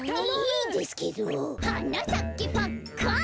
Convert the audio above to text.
「はなさけパッカン」